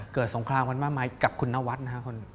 เกิดสงครามมากมายกับคุณนวัตน์นะครับ